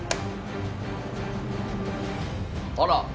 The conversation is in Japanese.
あら！